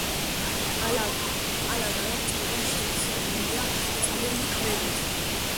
ალაგ-ალაგ წყობა შევსებულია წვრილი ქვებით.